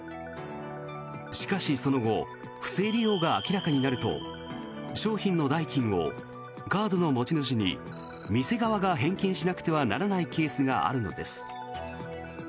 しかし、その後不正利用が明らかになると商品の代金をカードの持ち主に店側が返金しなくてはならないケースがあるのです。